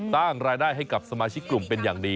สร้างรายได้ให้กับสมาชิกกลุ่มเป็นอย่างดี